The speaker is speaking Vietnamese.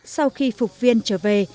sau khi phục viên trở về